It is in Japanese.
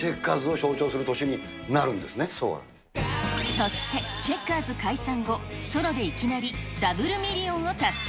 そしてチェッカーズ解散後、ソロでいきなりダブルミリオンを達成。